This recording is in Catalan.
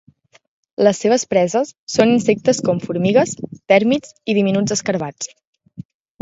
Les seves preses són insectes com formigues, tèrmits i diminuts escarabats.